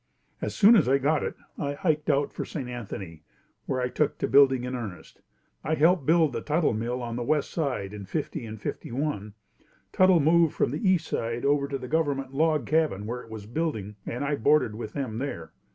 As soon as I got it, I hiked out for St. Anthony, where I took to building in earnest. I helped build the Tuttle mill on the west side in '50 and '51. Tuttle moved from the east side over to the government log cabin while it was building and I boarded with them there.